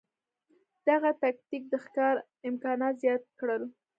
دغه تکتیک د ښکار امکانات زیات کړل.